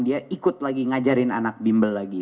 dia ikut lagi ngajarin anak bimbel lagi